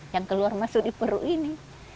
yang keluar masuk di perut ini